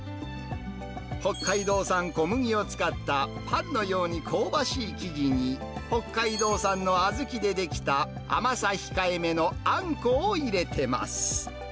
北海道産小麦を使った、パンのように香ばしい生地に、北海道産の小豆で出来た、甘さ控えめのあんこを入れてます。